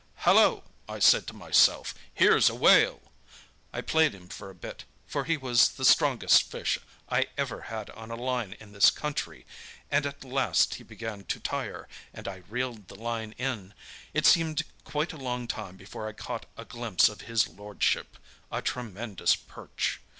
"'Hallo!' I said to myself, 'here's a whale!' I played him for a bit, for he was the strongest fish I ever had on a line in this country, and at last he began to tire, and I reeled the line in. It seemed quite a long time before I caught a glimpse of his lordship—a tremendous perch.